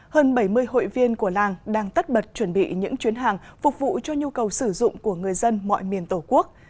hơn bảy mươi hội viên của làng đang tất bật chuẩn bị những chuyến hàng phục vụ cho nhu cầu sử dụng của người dân mọi miền tổ quốc